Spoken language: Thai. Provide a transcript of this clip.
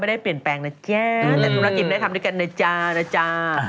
ไม่ได้เปลี่ยนแปลงนะจ๊ะแต่ทุกนักกิจได้ทำด้วยกันนะจ๊ะ